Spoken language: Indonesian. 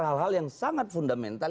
hal hal yang sangat fundamental